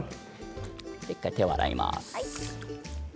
１回、手を洗います。